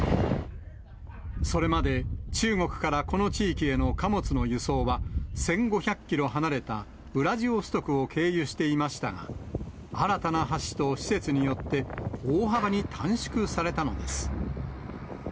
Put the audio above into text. それまで中国からこの地域への貨物の輸送は、１５００キロ離れたウラジオストクを経由していましたが、新たな橋と施設によって、大幅に短縮されたのです。